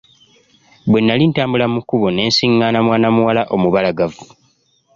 Bwe nnali ntambula mu kkubo ne nsiղղaana mwana muwala omubalagavu.